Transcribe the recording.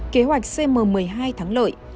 kế hoạch cm một mươi hai thắng lợi